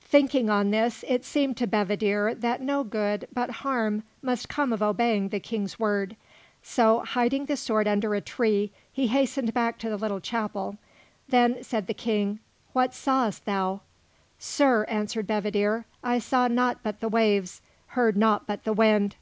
Thinking on this, it seemed to Bedivere that no good, but harm, must come of obeying the King's word; so hiding the sword under a tree, he hastened back to the little chapel. Then said the King: "What saw'st thou?" "Sir," answered Bedivere, "I saw naught but the waves, heard naught but the wind."